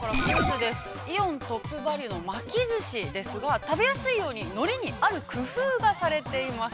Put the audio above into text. イオントップバリュの巻きずしですが、食べやすいように、海苔にある工夫がされています。